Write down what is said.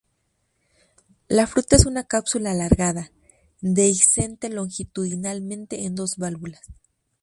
La fruta es una cápsula alargada, dehiscente longitudinalmente en dos válvulas.